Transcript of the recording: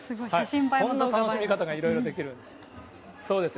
こんな楽しみ方がいろいろできるんです。